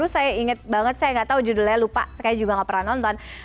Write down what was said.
saya inget banget saya nggak tahu judulnya lupa saya juga gak pernah nonton